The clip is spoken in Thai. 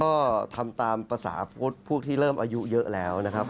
ก็ทำตามภาษาพวกที่เริ่มอายุเยอะแล้วนะครับ